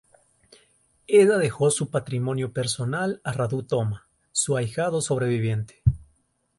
Ella dejó su patrimonio personal a Radu Toma, su ahijado sobreviviente.